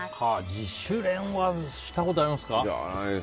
自主練はしたことありますか？